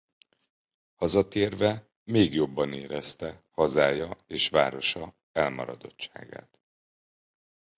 Hazatérve még jobban érezte hazája és városa elmaradottságát.